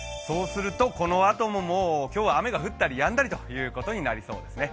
このあとももう今日は雨が降ったりやんだりということになりそうですね。